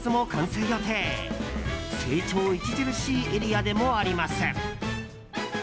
成長著しいエリアでもあります。